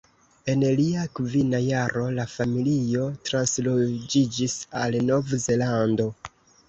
En lia kvina jaro la familio transloĝiĝis al Nov-Zelando.